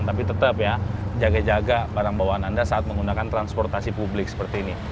tapi tetap ya jaga jaga barang bawaan anda saat menggunakan transportasi publik seperti ini